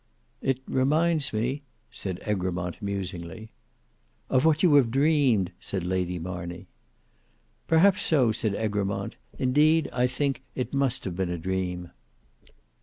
"It reminds me—" said Egremont musingly. "Of what you have dreamed," said Lady Marney. "Perhaps so," said Egremont; "indeed I think it must have been a dream."